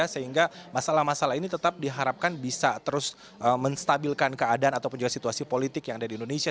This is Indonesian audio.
sehingga masalah masalah ini tetap diharapkan bisa terus menstabilkan keadaan ataupun juga situasi politik yang ada di indonesia